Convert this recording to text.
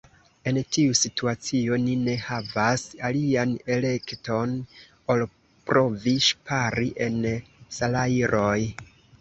En tiu situacio ni ne havas alian elekton ol provi ŝpari en salajroj.